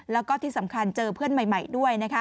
แล้วก็ที่สำคัญเจอเพื่อนใหม่ด้วย